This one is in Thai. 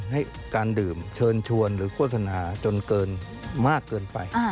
ให้การดื่มเชิญชวนหรือโฆษณาจนเกินมากเกินไป